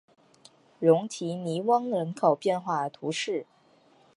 龙提尼翁人口变化图示